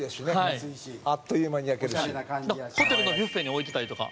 水田：ホテルのビュッフェに置いてたりとか。